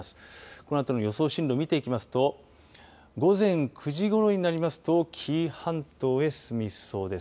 このあとの予想進路見ていきますと午前９時ごろになりますと紀伊半島へ進みそうです。